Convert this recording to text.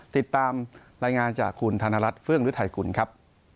ติดตามรายงานจากคุณธนรัฐเฟื่องฤทัยกุลครับ